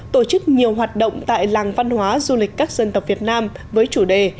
tổ chức nhiều hoạt động tại làng văn hóa du lịch các dân tộc việt nam với chủ đề